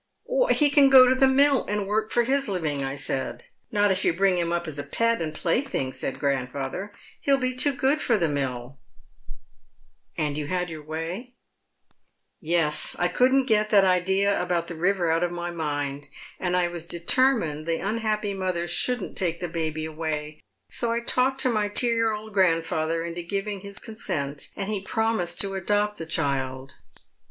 'He can go to the mill and work for his living,' I said. ' Not if you bring him up as a pet and play thing,' said grandfather, ' he'll be too good for tlie milU' " Trot's History, S65 And you had your way ?"" Yes ; I couldn't get that idea about the river out of my mind and I was determined the unhappy mother shouldn't take the bahy away, so I talked my dear old grandfather into giving his consent, and he promised to adopt the child.